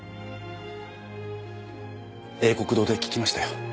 英國堂で聞きましたよ。